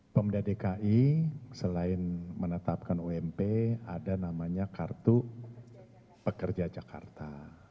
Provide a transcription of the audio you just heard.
pemda dki selain menetapkan ump ada namanya kartu pekerja jakarta